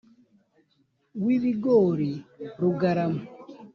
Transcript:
W ibigori rugarama